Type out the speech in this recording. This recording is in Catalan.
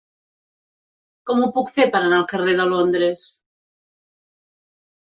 Com ho puc fer per anar al carrer de Londres?